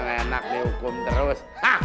gak enak nih hukum terus